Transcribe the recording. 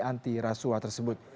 anti rasuah tersebut